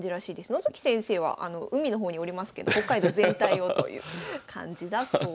野月先生は海の方におりますけど北海道全体をという感じだそうです。